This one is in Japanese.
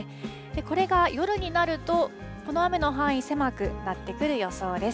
これが夜になると、この雨の範囲、狭くなってくる予想です。